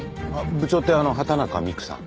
部長って畑中美玖さん？